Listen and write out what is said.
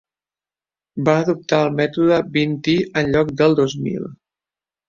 Va adoptar el mètode "vint-i" en lloc del "dos mil".